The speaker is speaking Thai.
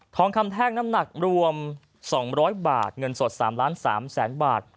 ทองคำแทกน้ำหนักรวม๒๐๐บาทเงินสด๓ล้าน๓แสนบาท